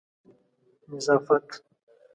نظافت